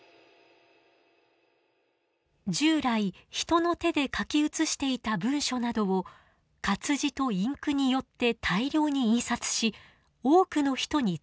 従来人の手で書き写していた文書などを活字とインクによって大量に印刷し多くの人に伝える。